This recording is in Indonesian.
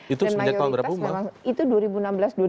itu sejak tahun berapa umur